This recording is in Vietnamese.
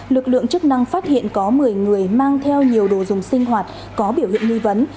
lực lượng chức năng phát hiện có một mươi người mang theo nhiều đồ dùng sinh hoạt có biểu hiện nghi vấn